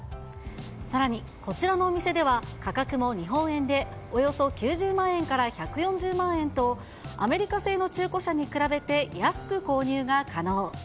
さらにこちらのお店では、価格も日本円でおよそ９０万円から１４０万円と、アメリカ製の中古車に比べて安く購入が可能。